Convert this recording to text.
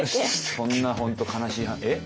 そんな本当悲しいえ？